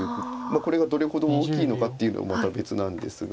これがどれほど大きいのかっていうのはまた別なんですが。